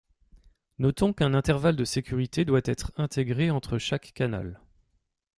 Notons qu’un intervalle de sécurité doit être intégré entre chaque canal.